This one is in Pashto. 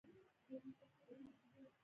پړانګ د تېز لیدلو وړتیا لري.